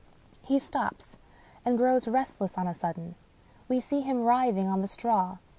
" He stops and grows restless on a sudden. We see him writhing on the straw.